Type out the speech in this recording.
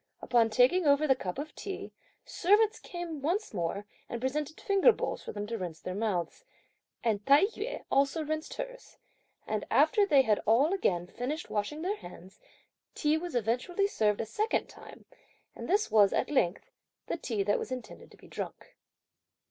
Upon taking over the cup of tea, servants came once more and presented finger bowls for them to rinse their mouths, and Tai yü also rinsed hers; and after they had all again finished washing their hands, tea was eventually served a second time, and this was, at length, the tea that was intended to be drunk.